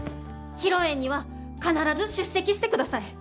披露宴には必ず出席してください！